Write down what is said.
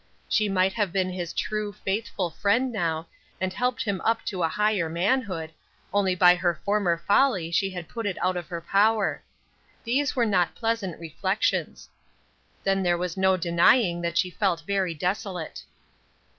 She might have been his true, faithful friend now, and helped him up to a higher manhood, only by her former folly she had put it out of her power. These were not pleasant reflections. Then there was no denying that she felt very desolate.